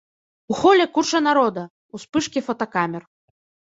У холе куча народа, успышкі фотакамер.